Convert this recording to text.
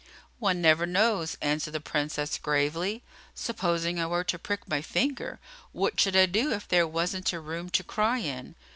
"One never knows," answered the Princess, gravely. "Supposing I were to prick my finger, what should I do if there was n't a room to cry in?